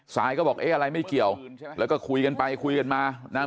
สายก็บอกเอ๊ะอะไรไม่เกี่ยวแล้วก็คุยกันไปคุยกันมานะ